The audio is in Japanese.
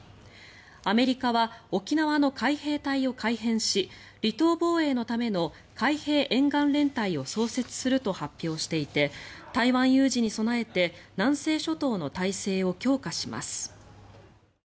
アメリカは沖縄の海兵隊を改編し離島防衛のための海兵沿岸連隊を創設すると発表していて台湾有事に備えて南西諸島の態勢を強化します。